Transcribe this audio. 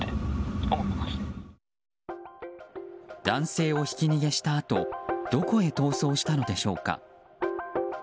男性をひき逃げしたあとどこへ逃走したのでしょうか。